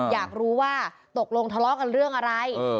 อยากรู้ว่าตกลงทะเลาะกันเรื่องอะไร